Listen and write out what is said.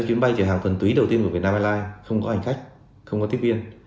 chuyến bay chở hàng thuần túy đầu tiên của vietnam airlines không có hành khách không có tiếp viên